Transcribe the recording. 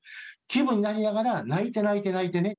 気分になりながら泣いて泣いて泣いてね。